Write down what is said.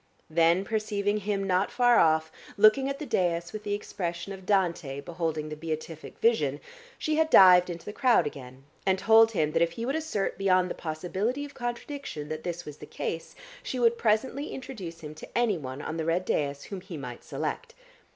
Then perceiving him not far off, looking at the dais with the expression of Dante beholding the Beatific vision, she had dived into the crowd again, and told him that if he would assert beyond the possibility of contradiction that this was the case, she would presently introduce him to anyone on the red dais whom he might select.